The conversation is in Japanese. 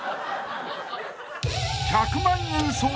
［１００万円争奪！］